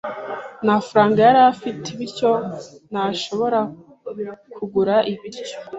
Nta faranga yari afite bityo ntashobora kugura ibiryo.